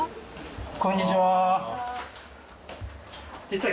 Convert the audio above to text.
こんにちは。